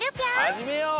はじめよう！